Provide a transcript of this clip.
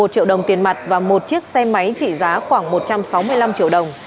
một triệu đồng tiền mặt và một chiếc xe máy trị giá khoảng một trăm sáu mươi năm triệu đồng